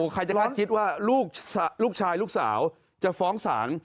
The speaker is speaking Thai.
ใครจะคาดคิดว่าลูกชายลูกสาวจะฟ้องศาล